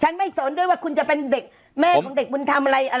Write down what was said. ฉันไม่สนด้วยว่าคุณจะเป็นแม่ของเด็กคุณทำอะไร